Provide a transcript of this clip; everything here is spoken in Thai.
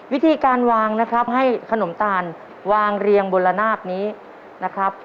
วิธีการวางนะครับให้ขนมตาลวางเรียงบนระนาบนี้นะครับ